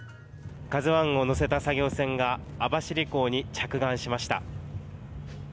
ＫＡＺＵＩを載せた作業船が、網走港に着岸しました。